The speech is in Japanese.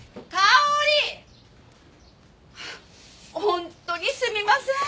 本当にすみません。